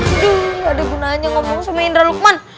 aduh ada gunanya ngomong sama indra lukman